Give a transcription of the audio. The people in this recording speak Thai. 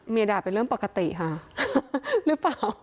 ด่าเป็นเรื่องปกติค่ะหรือเปล่า